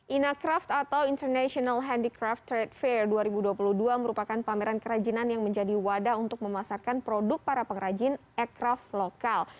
inacraft atau international handicraft trade fair dua ribu dua puluh dua merupakan pameran kerajinan yang menjadi wadah untuk memasarkan produk para pengrajin aircraft lokal